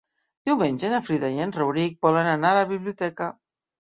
Diumenge na Frida i en Rauric volen anar a la biblioteca.